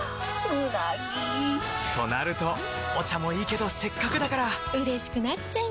うなぎ！となるとお茶もいいけどせっかくだからうれしくなっちゃいますか！